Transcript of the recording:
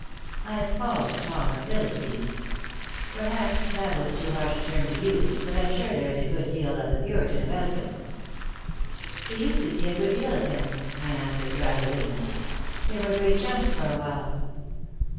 I have called Tom a Philistine. Perhaps that was too harsh a term to use, but I'm sure there is a good deal of the Puritan about him. "She used to see a good deal of him," I answered, rather lamely. "They were great chums for a while."